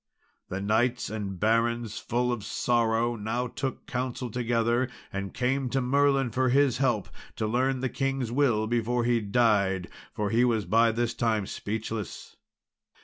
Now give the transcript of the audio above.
The knights and barons, full of sorrow, now took counsel together, and came to Merlin for his help to learn the king's will before he died, for he was by this time speechless.